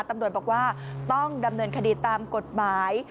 ตำรวจบอกว่าต้องดำเนินคดีตามกฎหมาย